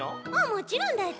もちろんだち。